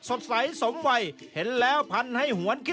สุดท้ายของพ่อต้องรักมากกว่านี้ครับ